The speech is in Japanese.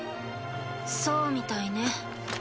そうみたいね。